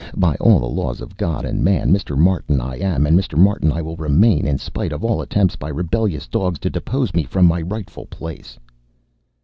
"By all the laws of God and man, Mr. Martin I am and Mr. Martin I will remain, in spite of all attempts by rebellious dogs to depose me from my rightful place."